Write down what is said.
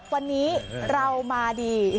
วันนี้เรามาดี